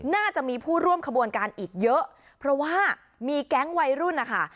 น่าจะมีผู้ร่วมขบวนการอีกเยอะเพราะว่ามีแก๊งวัยรุ่นนะคะ